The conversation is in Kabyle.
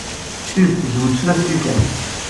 D tidet tezweǧ snat n tikkal.